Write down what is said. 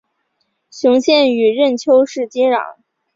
雄县与任丘市接壤。